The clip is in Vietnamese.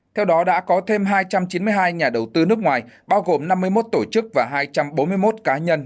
theo đó đã có thêm hai trăm chín mươi hai nhà đầu tư nước ngoài bao gồm năm mươi một tổ chức và hai trăm bốn mươi một cá nhân